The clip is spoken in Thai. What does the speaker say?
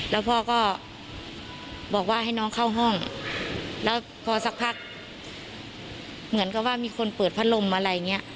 แล้วพ่อก็บอกว่าให้น้องเข้าห้องแล้วพอสักพักเหมือนกับว่ามีคนเปิดพัดลมอะไรอย่างเงี้ย